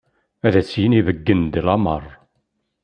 Ad as-yini beggen-d lameṛ.